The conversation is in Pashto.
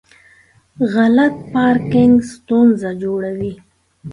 غلط پارکینګ ستونزه جوړوي.